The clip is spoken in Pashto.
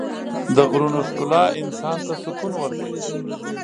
د غرونو ښکلا انسان ته سکون ورکوي.